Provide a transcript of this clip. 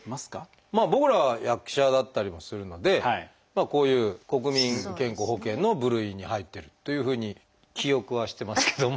僕らは役者だったりもするのでこういう国民健康保険の部類に入ってるというふうに記憶はしてますけども。